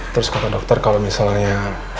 terus kata dokter kalau misalnya